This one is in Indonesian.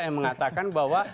yang mengatakan bahwa